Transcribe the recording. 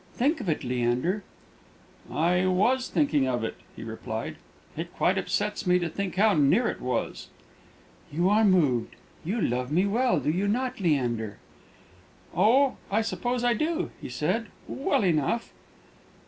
Think of it, Leander." "I was thinking of it," he replied. "It quite upsets me to think how near it was." "You are moved. You love me well, do you not, Leander?" "Oh! I suppose I do," he said "well enough."